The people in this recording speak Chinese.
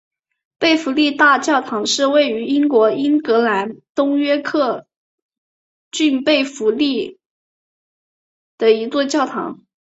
贝弗利大教堂是位于英国英格兰东约克郡贝弗利的一座教堂。